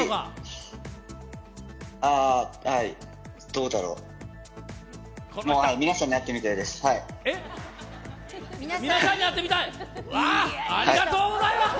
どうだろう皆さんに会ってみたいです。